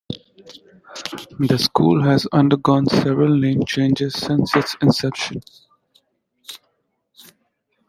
The school has undergone several name changes since its inception.